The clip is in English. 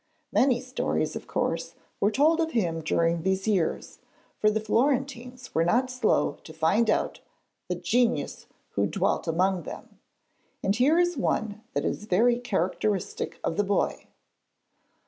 Many stories, of course, were told of him during these years for the Florentines were not slow to find out the genius who dwelt among them and here is one that is very characteristic of the boy.